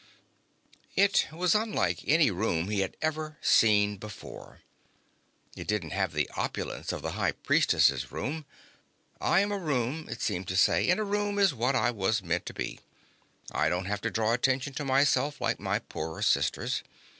It was unlike any room he had ever seen before. It didn't have the opulence of the High Priestess's rooms. I am a room, it seemed to say, and a room is what I was meant to be. I don't have to draw attention to myself like my poorer sisters.